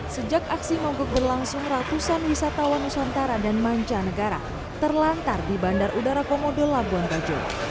sejak aksi mogok berlangsung ratusan wisatawan nusantara dan manca negara terlantar di bandar udara komodo labuan bajo